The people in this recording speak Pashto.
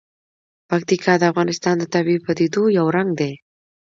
پکتیکا د افغانستان د طبیعي پدیدو یو رنګ دی.